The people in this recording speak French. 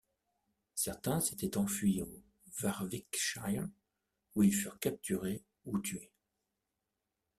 Certains s'étaient enfuis au Warwickshire où ils furent capturés ou tués.